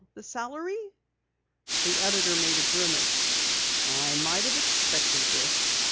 The salary!" The editor made a grimace. "I might have expected this.